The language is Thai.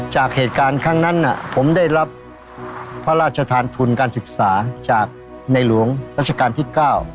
จากเหตุการณ์ครั้งนั้นผมได้รับพระราชทานทุนการศึกษาจากในหลวงรัชกาลที่๙